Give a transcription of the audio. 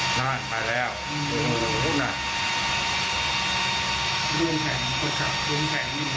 นั่นมาแล้วดวงแข็งมาก